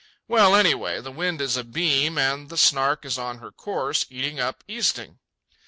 Well, anyway, the wind is abeam and the Snark is on her course, eating up easting.